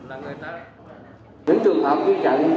những trường hợp viên trận có các yếu tố